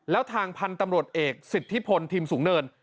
แล้วทางพันธุ์ตำรวจเอกสิทธิพลทิมสูงเนิน